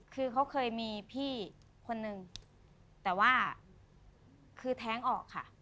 คือเขาเคยมีพี่คนนึงแต่ว่าคือแท้งออกค่ะ